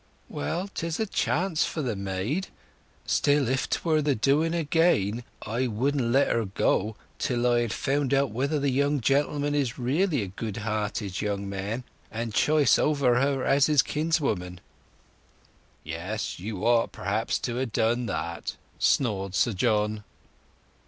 "Well, 'tis a chance for the maid—Still, if 'twere the doing again, I wouldn't let her go till I had found out whether the gentleman is really a good hearted young man and choice over her as his kinswoman." "Yes, you ought, perhaps, to ha' done that," snored Sir John.